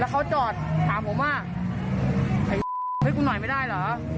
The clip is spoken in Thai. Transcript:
เขาจอดถามผมว่าเฮ้ยกูหน่อยไม่ได้เหรอ